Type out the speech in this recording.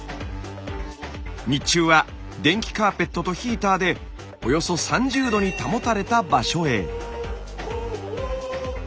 日中は電気カーペットとヒーターでおよそ３０℃に保たれた場所へ。